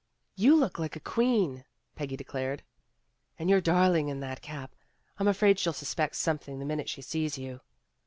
"You look like a queen," Peggy declared. "And you're darling in that cap. I'm afraid she'll suspect something the minute she sees you.